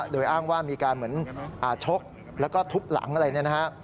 โดยอ้างว่ามีการเหมือนชกแล้วก็ทุบหลังอะไรเนี่ยนะฮะ